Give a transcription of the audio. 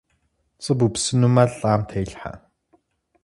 ПцIы бупсынумэ лIам телъхьэ.